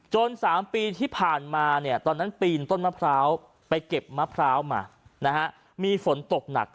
๓ปีที่ผ่านมาตอนนั้นปีนต้นมะพร้าวไปเก็บมะพร้าวมามีฝนตกหนัก